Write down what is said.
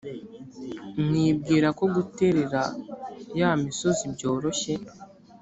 mwibwira ko guterera ya misozi byoroshye.